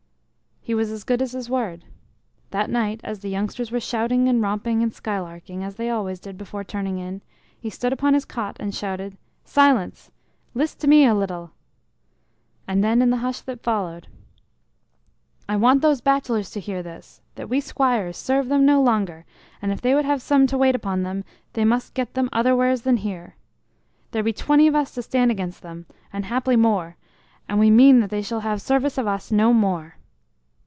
He was as good as his word. That night, as the youngsters were shouting and romping and skylarking, as they always did before turning in, he stood upon his cot and shouted: "Silence! List to me a little!" And then, in the hush that followed "I want those bachelors to hear this: that we squires serve them no longer, and if they would ha' some to wait upon them, they must get them otherwheres than here. There be twenty of us to stand against them and haply more, and we mean that they shall ha' service of us no more."